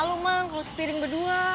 nanti kalau kita ngobrol aja